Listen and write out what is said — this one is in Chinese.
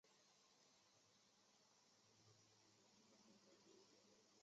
现为无线电视旗下经理人合约女艺员。